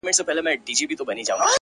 هغه د هر مسجد و څنگ ته ميکدې جوړي کړې-